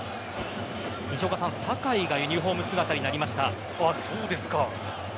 酒井がユニホーム姿になりました。